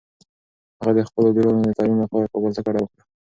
هغه د خپلو لورانو د تعلیم لپاره کابل ته کډه وکړه.